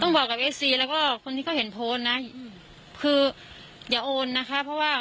บอกกับเอฟซีแล้วก็คนที่เขาเห็นโพสต์นะคืออย่าโอนนะคะเพราะว่า